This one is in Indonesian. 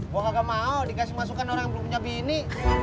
gue gak mau dikasih masukan orang yang belum punya bini